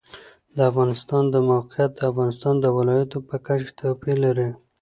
د افغانستان د موقعیت د افغانستان د ولایاتو په کچه توپیر لري.